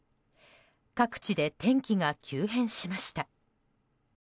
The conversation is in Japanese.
各地で天気が急変しました。